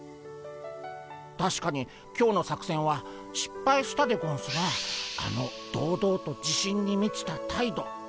たしかに今日の作戦はしっぱいしたでゴンスがあの堂々と自信にみちた態度。